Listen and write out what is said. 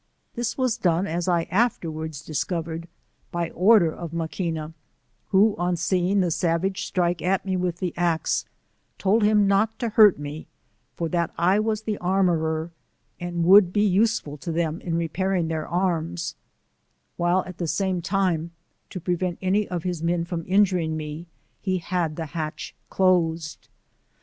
This was done as I afterwards discovered, by order of Maquina, who on seeing the savage strike at me with the axe, told him not to hurt me, for that I was the armourer, and would be useful to them in repairing their arras : while at the same time to prevent any of his men from injuring me, he had the hatch closed.